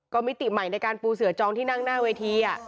ก็มิติใหม่ในการปูเสือจองที่นั่งหน้าเวที